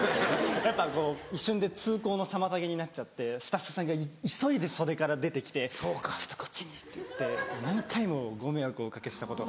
やっぱ一瞬で通行の妨げになっちゃってスタッフさんが急いで袖から出て来て「ちょっとこっちに」って言って何回もご迷惑お掛けしたことが。